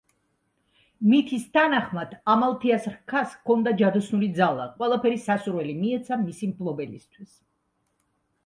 მითის თანახმად ამალთეას რქას ჰქონდა ჯადოსნური ძალა, ყველაფერი სასურველი მიეცა მისი მფლობელისთვის.